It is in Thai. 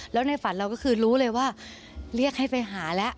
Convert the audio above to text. แล้วในฝันเราก็คือรู้เลยว่าเรียกให้ไปหาแล้ว